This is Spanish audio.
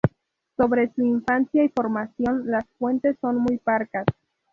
Sobre su infancia y formación las fuentes son muy parcas.